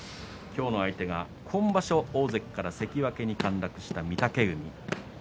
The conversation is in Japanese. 今日の相手が今場所大関から関脇に陥落した御嶽海です。